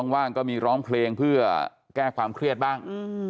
ว่างก็มีร้องเพลงเพื่อแก้ความเครียดบ้าง